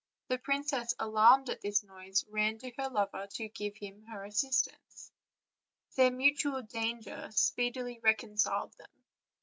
The princess, alarmed at this noise, ran to her lover to offer him her assistance; their mutual danger speedily reconciled them.